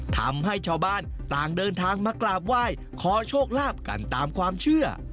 ทำให้ชาวบ้านต่างเดินทางมากราบไหว้ขอโชคลาภกันตามความเชื่อ